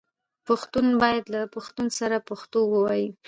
پښتون باید له پښتون سره پښتو ووايي